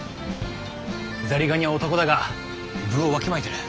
ザリガニは漢だが分をわきまえてる。